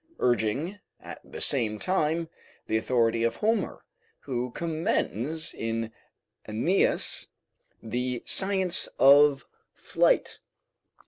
urging, at the same time, the authority of Homer, who commends in AEneas the science of flight.